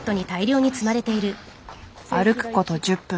歩くこと１０分。